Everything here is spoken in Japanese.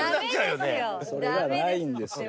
それはないんですよ。